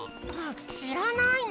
しらないの？